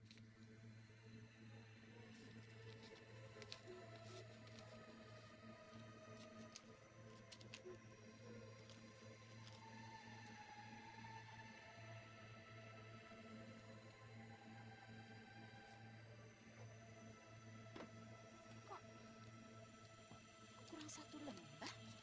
kok kurang satu lembah